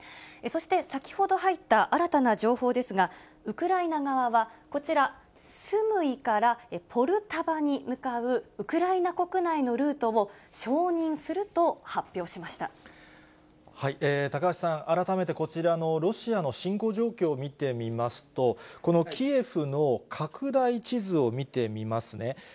そして先ほど入った新たな情報ですが、ウクライナ側は、こちら、スムイからポルタバに向かうウクライナ国内のルートを承認すると高橋さん、改めてこちらのロシアの侵攻状況を見てみますと、このキエフの拡大地図を見てみますね。